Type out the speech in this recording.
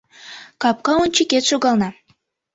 Капка ончыкет шогална